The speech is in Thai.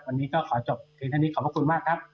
วันนี้ก็ขอจบคืนเท่านี้ขอบพระคุณมากครับ